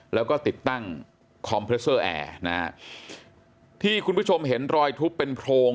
แล้วก็ติดตั้งคอมเพรสเซอร์แอร์นะฮะที่คุณผู้ชมเห็นรอยทุบเป็นโพรง